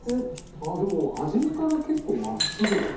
あでも初めから結構まっすぐだね。